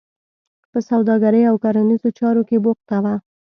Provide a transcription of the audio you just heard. په سوداګرۍ او کرنیزو چارو کې بوخته وه.